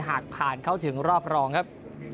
หากผ่านเข้าถึงรอบรองครับ